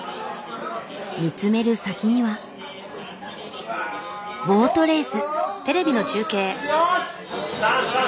見つめる先にはボートレース。